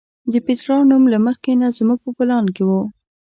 د پیترا نوم له مخکې نه زموږ په پلان کې و.